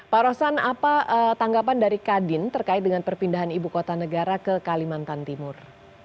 pak rosan apa tanggapan dari kadin terkait dengan perpindahan ibu kota negara ke kalimantan timur